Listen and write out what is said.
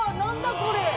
これ。